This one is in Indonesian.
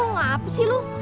ngapain sih lu